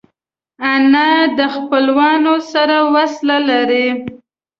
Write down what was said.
انا د خپلوانو سره وصله لري